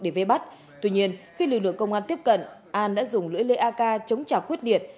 để vây bắt tuy nhiên khi lực lượng công an tiếp cận an đã dùng lưỡi lê ak chống trả quyết liệt